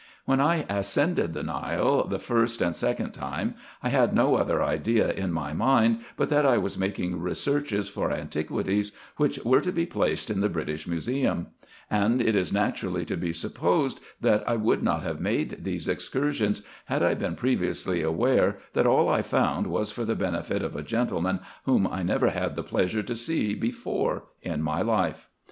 When I ascended the Nile, the first and second time, I had no other idea in my mind, but that I was making researches for antiquities, which were to be placed in the British Museum ; and it is naturally to be supposed that I would not have made these excursions, had I been previously aware, that all I found was for the benefit of a gentleman, whom I never had the pleasure to see before in my life.